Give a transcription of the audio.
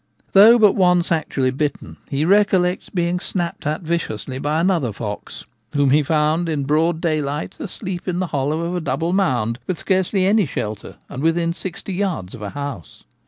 Though but once actually bitten, he recollects being snapped at viciously by another fox, whom he found in broad daylight asleep in the hollow of a double mound with scarcely any shelter and within sixty yards of a house.